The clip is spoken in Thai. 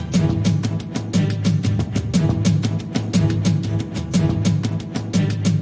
โครงใดครับ